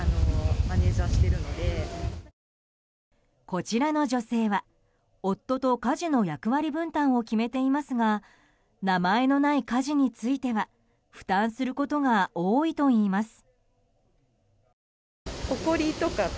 こちらの女性は夫と家事の役割分担を決めていますが名前のない家事については負担することが多いといいます。